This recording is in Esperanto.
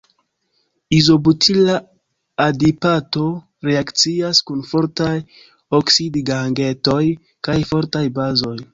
Izobutila adipato reakcias kun fortaj oksidigagentoj kaj fortaj bazoj.